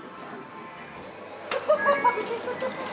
ハハハハッ。